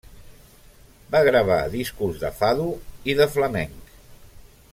Va gravar discos de fado i de flamenc.